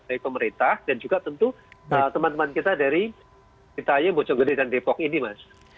dari pemerintah dan juga tentu teman teman kita dari kitay bojogede dan depok ini mas